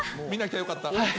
見なきゃよかった。